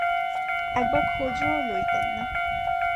একবার খোঁজও লইতেন না!